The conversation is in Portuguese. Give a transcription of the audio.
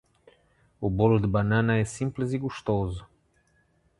O bolo de banana é simples e gostoso.